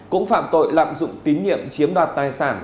cũng phạm tội lạm dụng tín nhiệm chiếm đoạt tài sản